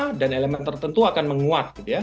maksudnya makanan yang tertentu akan menguat